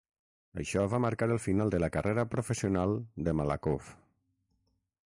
Això va marcar el final de la carrera professional de Malakhov.